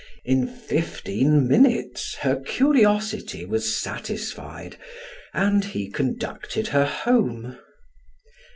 In fifteen minutes her curiosity was satisfied and he conducted her home.